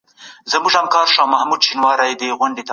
ایا تاسو د خپلې ټولنې په اړه څه لیکلي دي؟